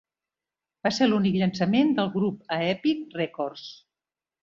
Va ser l'únic llançament del grup a Epic Records.